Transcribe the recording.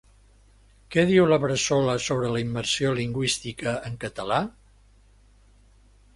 Què diu la Bressola sobre la immersió lingüística en català?